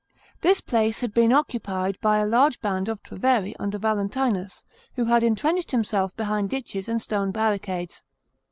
This place had been occupied by a large band of Treveri under Valentinus, who had entrenched himself behind ditches and stone barricades.